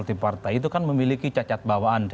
partai itu kan memiliki cacat bawaan